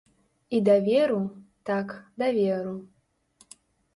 І даверу, так, даверу.